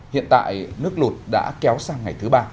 hiện tại nước lụt đã kéo sang ngày thứ ba